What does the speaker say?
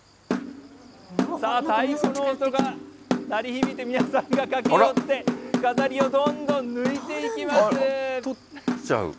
さあ、太鼓の音が鳴り響いて、皆さんが駆け寄って、飾りをどんどん抜いていきます。